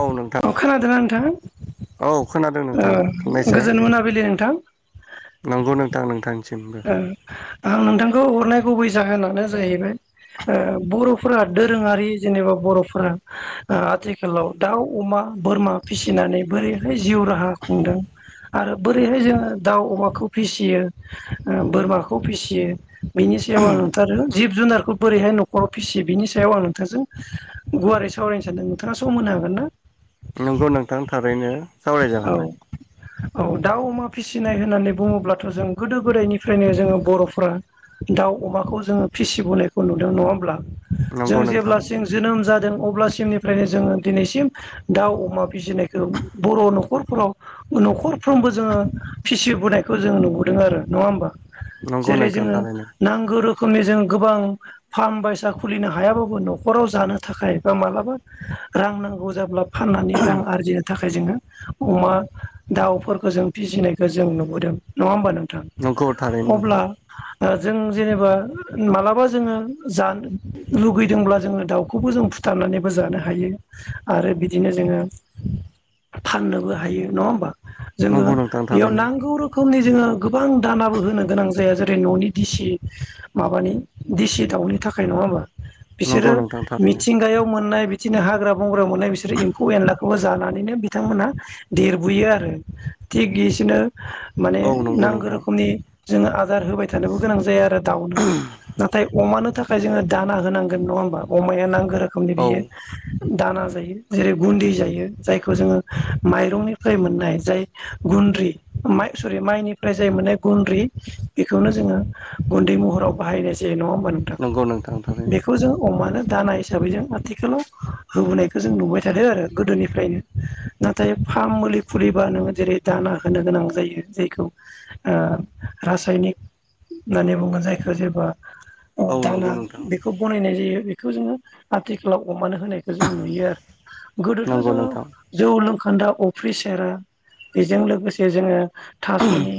औ नोंथां अ खोनादोंना औ खोनादों नोंथां नोंथां बुंनायसाय गोजोन मोनाबिलि नोंथां नंगौ नोंथां नोंथां- आं नोंथांखौ हरनाय गुबै जाहोनानो जाहैबाय बर'फोरा दोरोङारि जेनेबा बर'फोरा आथिखालाव दाउ अमा बोरमा फिसिनानै बोरैहाय जिउ राहा खुंदों आरो बोरैहाय जोङो दाउ, अमाखौ फिसियो बोरमाखौ फिसियो बेनि सायाव आं नुथारो जिब जुनारखौ बोरैहाय न'खराव फिसियो बिनि सायाव आं नोंथांजों गुवारै सावरायनो सानदों नोंथाङा सम होनो- हागोनना नोंगौ नोंथां थारैनो सावरायजागोन औ औ दाउ, अमा फिसिनाय होननानै बुङोब्लाथ' जों गोदो गोदायनिफ्रायनो जोङो बर'फोरा दाउ अमाखौ जोङो फिसिबोनायखौ नुदों नङा होमब्ला नंगौ जों नोंथां जेब्लासिम जोनोम जादों अब्लासिमनिफ्रायनो जोङो दिनैसिम दाउ, अमा फिसिनायखौ बर' न'- खरफोराव न'खरफ्रोमबो जोङो फिसिबोनायखौ जोङो नुबोदों आरो नङा होमबा नंगौ जेरै नोंथां जोङो थारैनो नांगौ रो- खोमनि जों गोबां फार्म बायसा खुलिनो हायाबाबो न'खराव जानो थाखाय बा मालाबा रां नांगौ जाब्ला फाननानै रां आरजिनो थाखाय जोङो अमा दाउफोरखौ जों फिसिनायखौ जों नुबोदों नङा होमबा नों- नंगौ थारैनो नोंथां जों जेनेबा मालाबा जोङो जानो लुगैदोंब्ला जोङो दाउखौबो जों फु- थारनानैबो जानो हायो आरो बिदिनो जोङो फाननोबो हायो नङा होमबा जोङो नंगौ नोंथां बेयाव थारैनो नांगौ रोखो- मनि जोङो गोबां दानाबो होनो गोनां जाया जेरै न'नि दिसि माबानि दिसि दाउ नि थाखाय नङा होमबा नंगौ बिसोरो नोंथां थारैनो मिथिंगायाव मोननाय बदिनो हाग्रा बंग्रा मोननाय बिसोर एम्फौ एनलाखौबो जानानैनो बिथांमोना देरबोयो आरो। थिग गिसिनो माने औ नंगौ नांगौ नोंथां रोखोमनि जोङो आग आदार होबाय थानोबो गोनां जाया आरो दाउनो, नाथाय अमानो थाख खाय जोङो दाना होनांगोन नङा होमबा अमाया नांगौ रोखोमनि औ बियो। दाना जायो जेरै गुन्दै जायो जायखौ जोङो माइ रंनिफ्राय मोननाय जाय गुनद्रि माय सरि माइनिफ्राय जाय मोननाय गुन्द्रि बे खौनो जोङो गुन्दै महराव बाहायनाय जायो। नङा होमबा नोंथां? नंगौ नोंथां थारैनो बेखौ जों अमानो दाना हिसाबै जों आथिखालाव होबोनायखौ जों नुबाय थादो आरो गोदोनिफ्रायनो। नाथाय फाम मुलि खुलिबा नोङो जेरै दाना होनो गोनां जायो जायखौ ओ रासाय पनिक होननानै बुङो जायखौ जेबा औ नंगौ दाना नोंथां बेखौ बनायनाय जायो बेखौ जोङो आथिखालाव अमानो होनायखौ जों नुयो आरो। गोदोथ' नंगौ जोङो नोंथां जौ लों खोन्दा अफ्रि सेरा बेजों लोगोसे जोङो थास'नि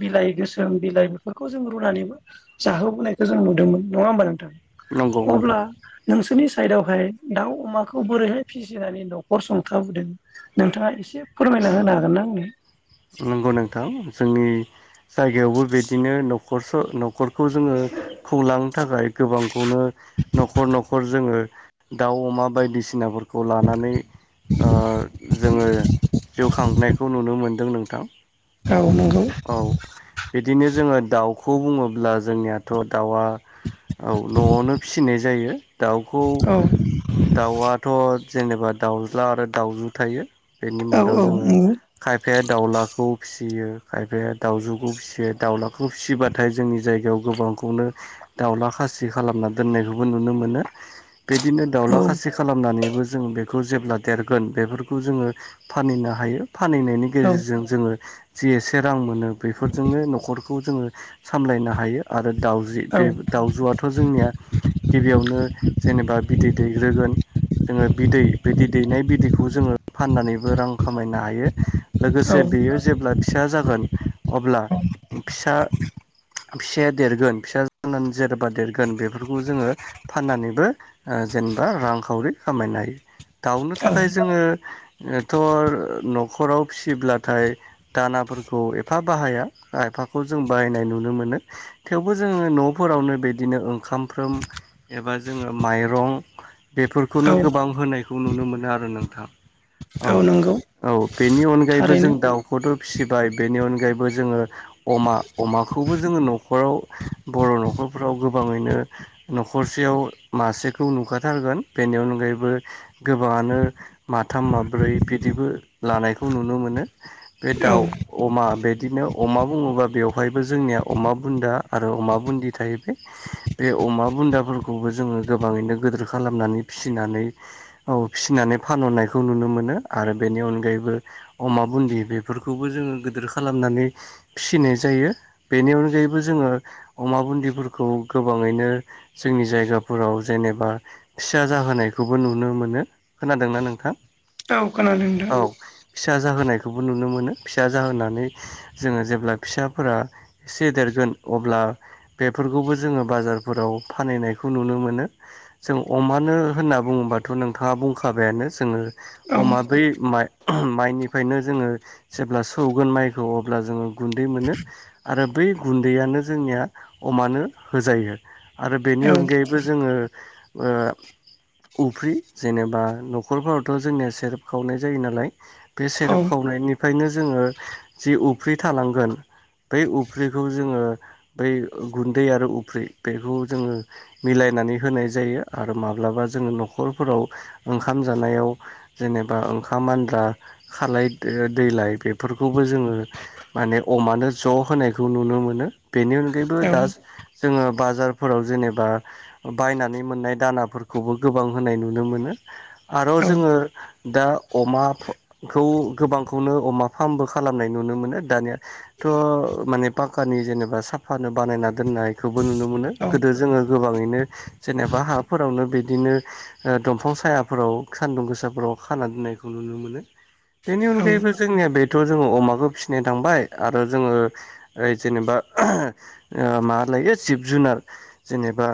बिलाइ गोसो जों बिलाइ बेफोरखौ जों रुनानैबो जाहोबोनायखौ जों नुदोंमोन नङा होमबा नोंथां। नंगौ नोंथां अब्ला नोंसोरनि साइदावहाय दाउ अमाखौ बोरैहाय फिसिनानै न'खर संथाबोदों? नोंथाङा एसे फोरमायना होनो हागोन ना आंनो? नंगौ नोंथां जोंनि जायगायावबो बिदिनो न'खरस न'खरखौ जोङो खुंलांनो थाखाय गोबांखौनो न'खर न'खर जोङो दाउ अमा बायदिसिनाफोरखौ खौ लानानै जोङो जिउ खांनायखौ नुनो मोनदों नों थां औ नंगौ औ बिदिनो जोङो दाउखौ बुङोब्ला जोंनियाथ' दाउआ औ न'आवनो फिसिनाय जायो। दाउखौ औ दाउआथ' जेनेबा दाउज्ला आरो दाउजु थायो। बेनि औ मादाव जोङो नंगौ खायफाया दाउला फिसियो खायफाया दाउजुखौ फिसियो दाउलाखौ फिसिबाथाय जोंनि जायगायाव गोबांखौनो दाउला खासि खालामना दोननायखौबो नुनो मोनो। बिदिनो दाउला औ खासि खालामनानैबो जों बे खौ जेब्ला देरगोन बेफोरखौ जोङो फानहनो हायो फानहनायनि औ गेजेरजों जोङो जि एसे रां मोनो बेफोरजोंनो न'खरखौ जोङो सामलायनो हायो आरो दाउजि औ बे दाउजुआथ' जोंनिया गिबियावनो जेनेबा बिदै दैग्रोगोन जोङो बिदै बे बिदैनाय बिदैखौ जोङो फाननानै बो रां खामायनो हायो। लोगोसे बेयो जेब्ला फिसा जागोन अब्ला फिसा फिसाया देरगोन फिसा जानानै जेरबा देरगोन बेफोरखौ जोङो फाननानैबो जेने बा रांखावरि खामायनो हायो। दाउनो औ थाखाय जोङोथ' न'खराव फिसिब्ला थाय दानाफोरखौ एफा बाहाया एफाखौ जों बाहायनाय नुनो मोनो थेवबो जों जोङो न'फोरावनो बिदिनो ओंखामफ्रोम एबा जोङो माइरं बेफोरखौनो औ गोबां होनायखौ नुनो मोनो आरो नोंथां। औ औ बेनि अनगायैबो थारैनो जों दाउखौथ' फिसिबाय बेनि अनग गायैबो जोङो अमा- अमाखौबो जोङो न'खराव बर' न'खरफ्राव गोबाङैनो न'खरसेयाव मासेखौ नुखाथारगोन बेनि अनगायैबो गोबाङानो माथाम माब्रै बिदिबो लानायखौ नुनो मोनो। बे औ दाउ अमा बे बिदिनो अमा बुङोबा बेवहायबो जोंनिया अमा बुन्दा आरो अमा बुदि थायो बे- बे अमा बुन्दाफोरखौबो जोङो गोबाङैनो गिदोर खालामनानै फिनानै औ फिसिनानै फान ननाय नुनो मोनो आरो बेनि अनगायैबो अमा बुन्दि बेफोरखौबो जोङो गिदोर खालामनानै फिनाय जायो। बेनि अनगायैबो जोङो अमा बुदिफोरखौ गोबाङैनो जोंनि जायगाफोराव जेनेबा फिसा जाहो होनायखौबो नुनो मोनो खोनादोंना नोंथां? ओ खोनादों दो औ [unintelligible] फिसा जाहोनाय बे खौबो नुनो मोनो फिसा जाहोनानै जोङो जेब्ला फिसाफोरा एसे देरगोन अब्ला बेफोरखौबो जोङो बाजारफोराव फानहनायखौ नुनो मोनो जों अमानो होन होनना बुङोबाथ' नोंथाङा बुंखाबायानो जोङो औ अम बै माइनिफ्रायनो जोङो जेब्ला सौगोन माइखौ अब्ला जोङो गुन्दै मोनो आरो बै गुन्दैयानो जों या अमानो होजायो आरो बेनि अनगायैबो जोङो उफ्रि जेनेबा न'खरफोरावथ' जोंनिया सेरेब खावनाय जायो नालाय बे औ सेरेब खावनायनिफ्रायनो जोङो जि उफ्रि थालांगोन बै उफ्रिखौ जोङो बै गुन्दै आरो उफ्रि बेखौ जोङो मिलाय फायनानै होनाय जायो आरो माब्लाबा जोङो न'खरफोराव ओंखाम जानायाव जेनेबा ओंखाम मानद्रा खालाय दैलाय बेफोरखौबो जोङो माने अमानो ज' होनायखौ नुनो मोनो बेनि अनगायैबो औ औ दा जोङो बाजारफोराव जेनेबा बायनानै मोननाय दानाफोरखौबो गोबां होनाय नुनो मोनो आरो औ जोङो दा अमाखौ गोबांखौनो अमा फार्मबो खालामनाय नुनो मोनो दानियाथ' माने पक्कानि जेनेबा स आफानो बानायना दोननायखौबो नुनो मोनो औ गोदो जोङो गोबाङैनो जेनेबा हाफोरावनो बिदिनो बिदिनो दंफां सायाफोराव सान्दुं गोसाफोराव खाना दोननायखौ नुनो मोनो बेनि औ अनगायैबो जोंनिया बेथ' जोङो अमाखौ फिसिनो थांबाय आरो जोङो ओ जेनेबा माबा लायो जिब जुनार जेनेबा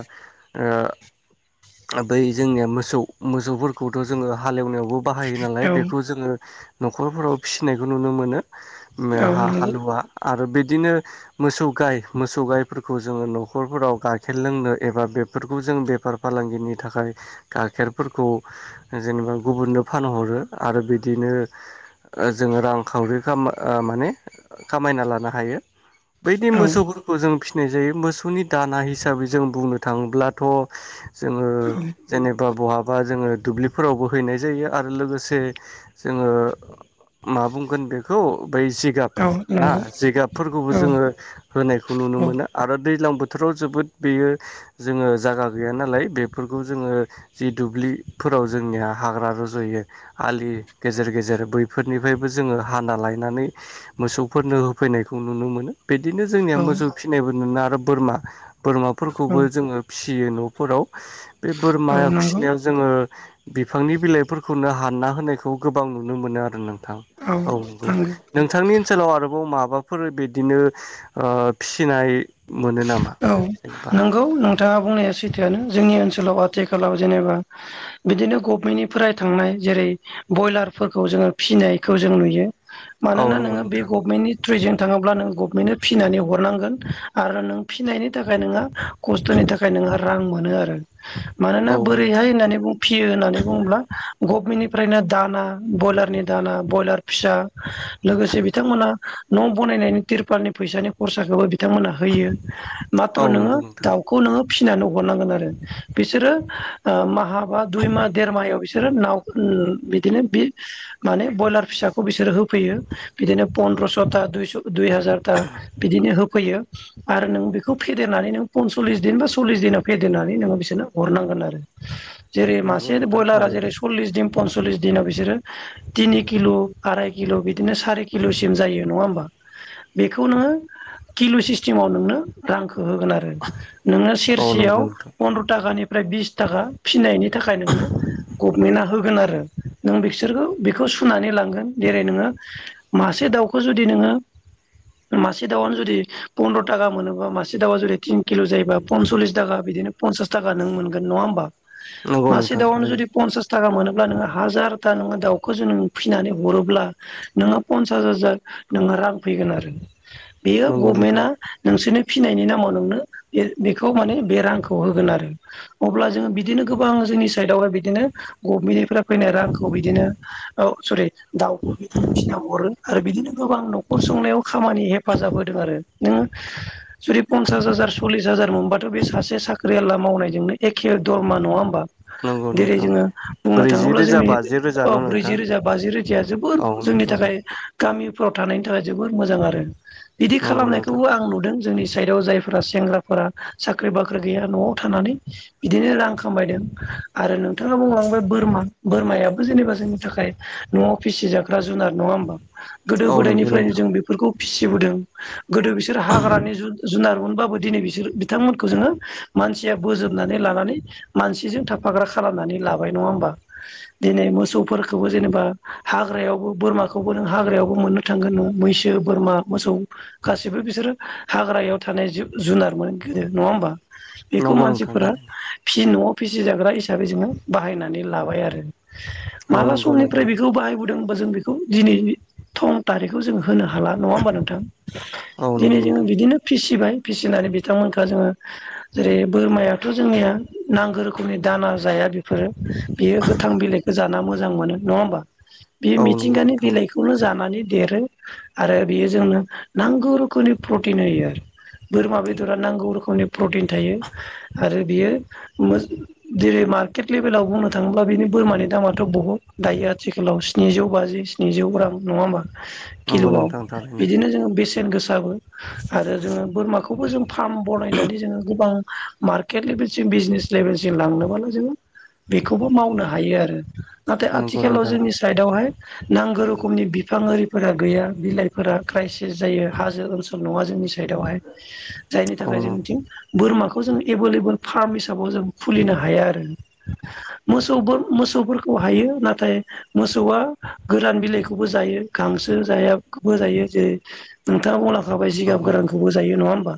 बै जोंनिया मोसौ मोसौफोरखौथ' जोङो हालेवनायावबो बाहायो नालाय औ बेखौ जोङो न'खरफोराव फिसिनायखौ नुनो मोनो बा औ नंगौ हालुवा आरो बे बिदिनो मोसौ गाय मोसौ गायफोरखौ जोङो न'खरफोराव गाइखेर लोंनो एबा बेफोरखौ जों जों बेफार फालांगिनि थाखाय गाइखेरफोरखौ जेनेबा गुबुननो फानहरो आरो बिदिनो जों रांखावरि माने खामायना लानो हायो बैदि औ मोसौफोरखौ जों फिसिनाय जायो मोसौनि दाना हिसाबै जों बुंनो थाङोब्लाथ' जोङो औ जेनेबा बहाबा जोङो दुब्लिफोरावबो हैनाय जायो आरो लोगोसे जों आङो मा बुंगोन बेखौ बै जिगाब औ ना नंगौ जिगाबफोरखौबो औ जोङो होनायखौ नुनो औ मोनो आरो दैज्लां बोथोराव जोबोद बेयो जोङो जायागा गैया नालाय बेफोरखौ जोङो जि दुब्लिफोराव जोंनिया हाग्रा रज'यो आलि गेजेर गेजेर बैफोरनिफ्रायबो जोङो हाना लायनानै मोसौफोरनो होफैनायखौ नुनो मोनो बिदिनो जोंनिया औ मोसौ फिनायबो नुनो आरो बोरमा बोरमाफोरखौबो जोङो फि फिसियो न'फोराव बे बोरमा नंगौ औ नंगौ औ फिसिनायाव जोङो बिफांनि बिलाइफोरखौनो हानना होनायखौ गोबां नुनो मोनो आरो नोंथां औ नंगौ नोंथांनि ओनसोलाव आरोबाव माबाफोर बिदिनो फिनाय मोनो नामा जेनेबा नोंगौ नोंथाङा बुंनाया सैथोआनो जोंनि ओनसोलाव आथिखालाव जेनेबा बिदिनो गभमेन्टनिफ्राय थांनाय जेरै बयलारफोरखौ जोङो फिसिनायखौ जों नुयो औ मानोना नंगौ नोङो बे नोंथां गभमेन्टनि ट्र्रिजों थाङोब्ला नों गभनमेन्टनो फिनानै हरनांगोन आरो नों फिनायनि थाखाय थाखाय नोंहा खस्थ'नि थाखाय नोंङहा रां मोनो आरो औ मानोना बोरैहाय नोंथां होननानै बुं फियो होननानै बुङोब्ला गभमेन्टनिफ्रायनो दाना ब्रयलारनि दाना ब्रयलार फिसा लोगोसे बिथांमोना न' बानायनायनि तिरपालनि फैसानि खरसाखौबो बिथांमोना होयो औ माथ्र' नोङो नंगौ नोंथां दाउखौ नोङो नानैांग बिोर म बा दु म देर माह बिोर बिसोर नाव ओम बिदिनो बि माने बयलार फिसाखौ बिसोर होफैयो बिदिनो पन द्रसता दुयस' दुय हाजारता बिदिनो होफैयो आरो नों बे फेदेरनानै नों पनसललिस दिन बा सल्लिस दिनाव फेदेरनानै नोङो बिसोरनो हरनांगोन आरो जेरै नंगौ मासे नोंथां बयलारा थारैनो जेरै सल्लिस दिम पनस'लिस दिनाव बिसोरो तिनि किल' आराय किल' बिदिनो सारि किल'सिम जायो नङा होमबा बेखौ नोङो किलु सिस्टेमाव नोंनो रांखौ होगोन आरो नोनो औ सेरसेयाव नंगौ नोंथां फन्द्र' थाकानिफ्राय बिस थाका फिनायनि थाखाय नोंनो गभमेन्टआ होगोन आरो नों बिसोरखौ बेखौ सुनानै लांगोन जेरै नोङो मासे दाउखो जुदि नोङो मासे दावानो जुदि पन्द्रता गाम मोनोब मा मासे दावा जुदि तिन किल' जायोब्ला पनसल्लिस थाखा बिदिनो पनसास थाखा नों मोनगोन नङा होमबा नंगौ मासे नोंथां दावानो थारैनो जदि पन्सास थाखा मोनोब्ला नोङो हाजारथा नोङो दाउखौ नों फिसिनानै हरोब्ला नोङो पन्सास हाजार नोङो रां फैगोन आरो बेयो नंगौ नोंथां गभमेन्टा नोंसोरनि फिनायनि नामाव नोंनो बे बेखौ माने बे रांखौ होगोन आरो अब्ला जोङो बिदिनो गोबां जोंनि साइडआवहाय बिदिनो गभमेन्टनिफ्रा फैनाय रांखौ बिदिनो ओ सरि दाउखौ बिदिनो फिना हरो आरो बिदिनो गोबां न'खर संनायाव खामानि हेफाजाब होदों आरो नों जुदि पन्सास हाजार सल्लिस हाजार मोनबाथ' बे सासे साख्रि आवला मावनायजोंनो एखे दरमा नङा होमबा नंगौ जेरै नोंथां जोङो बुंनो ब्रैजि थाङोब्ला रोजा जोंनि बाजि रोजा ओ न' नोंथां ब्रैजि रोजा बाजि रोजाया जोबोर औ जो जोंनि नंगौ थाखाय गामिफ्राव थानायनि थाखाय जोबोर मोजां आरो बिदि नंगौ नोंथां खालामनायखौबो आं नुदों। जोंनि साइडआव जायफोरा सेंग्राफोरा साख्रि बाख्रि गैया न'आव थानानै बिदिनो रां खामायदों आरो नोंथाङा बुंलांबाय बोरमा बोरमायाबो जेनेबा जोंनि थाखाय न'आव फिसि जाग जुनार नङा होमबा गोदो औ नंगौ गोदायनिफ्रायनो नोंथां जों बेफोरखौ फिसिबोदों। गोदो बिसोर हाग्रानि जुन जुनारमोनबाबो दिनै बिसोर बिथांमोनखौ जोङो मानसिया बोजोबनानै लानानै मानसिजों थाफा फाग्रा खालामनानै लाबाय नङा होम्बा दिनै मोसौफोरखौबो जेनेबा हाग्रायावबो बोरमा खौबो नों हाग्रायावबो मोननो थांगोन मैसो बोरमा मोसौ गासैबो बिसोर हाग्रायाव थानाय जुनार मोन गोदो नङा होमबा बेखौ नंगौ नोंथां मानसिफोरा थारैनो फिसिनो न'आव फिसिजाग्रा हिसाबै जोङो बाहायनानै लाबाय आरो औ माला सम नंगौ निफ्राय नोंथां बेखौ बाहाय बुदों बा जों बेखौ दिनै थं थारिखखौ जोङो होनो हाला नङा होमबा नोंथां औ दिनै नंगौ जोङो नोंथां बिदिनो फिसिबाय फिसिनानै बिथांमोनखौ जोङो जेरै बोरमायाथ' जोंनिया नांगौ रोखोमनि दान दाना जाया बेफोरो बेयो गोथां बिलाइखौ जाना मोजां मोनो नङा होमबा बे औ नंगौ मिथिंगानि नोंथां बिलाइखौनो जानानै देरो आरो बेयो जोंनो नांगौ रोखोमनि प्रटिन होयो आरो बोरमा बेदरा नांगौ रोखोमनि प्रटिन थायो आरो बियो मोज जेरै मार्केट लेभेलाव बुंनो थाङोब्ला बिनि बोरमानि दामाथ' बहुद दायो आथिखालाव स्निजौ बाजि स्निजौ रां नङा होमबा नंगौ किल'आव नोंथां थारैनो बिदिनो जोङो बेसे बेसेन गोसाबो आरो जोङो बोरमाखौबो जों फार्म बनायनानै जोङो गोबां मार्केट लेभेलसिम बिजनेस लेभेलसिम लांनोबालाय जोङो बेखौबो मावनो हायो आरो नाथाय नंगौ आथिखालाव नोंथां जोंनि साइडआवहाय नांगौ रोखोमनि बिफां ओरि फोरा गैया बिलाइफोरा क्राइसिस जायो हाजो ओनसोल नङा जोंनि साइदआवहाय जायनि औ थाखाय नंगौ जोंनिथिं बोरमाखौ जों एभेलेबोल फार्म हिसाबाव जों खुलिनो हाया आरो मोसौ बोर मोसौ मोसौफोरखौ हायो नाथाय मोसौआ गोरान बिलाइखौबो जायो गांसो जा जायो जेरै नोंथाङा बुंलांखाबाय जिगाब नंगौ गोरान नोंथां खौबौ जायो नङा होम्बा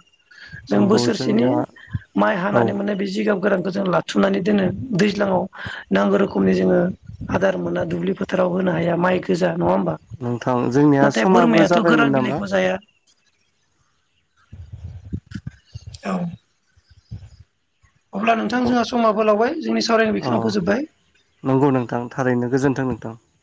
जों नंगौ बोसोरसेनि जोंनिया माइ औ हानानै मोननाय बे जिगाब गोरान जों लाथुमनानै दोनो दैज्लाङाव नांगौ रोखोमनि जोङो आदार मोना दुब्लि फोथाराव होन नो हाया माइ गोजा नङा होमबा नोंथां जोंनिया नाथाय समाबो बोरमायाथ' गोरान जाबायमोन नामा बिलाइखौ जाया। औ अब्ला नोंथां जोंहा समाबो लावबाय जोंनि सावरायखौ अ बिखिनियावनो फोजोबबाय। नंगौ नोंथां थारैनो गोजोनथों नोंथां।